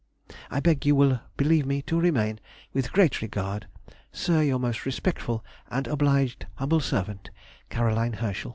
I beg you will believe me to remain, with great regard, Sir, your most respectful and obliged humble servant, CAROLINE HERSCHEL.